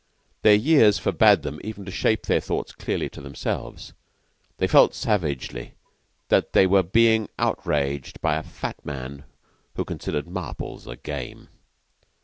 Their years forbade them even to shape their thoughts clearly to themselves. They felt savagely that they were being outraged by a fat man who considered marbles a game.